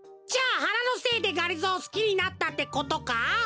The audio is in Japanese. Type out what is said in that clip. じゃあはなのせいでがりぞーをすきになったってことか？